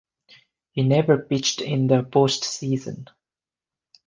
He never pitched in the postseason.